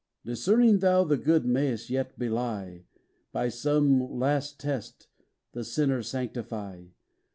'Discerning, thou the good mayst yet belie, By some last test, the sinner sanctify.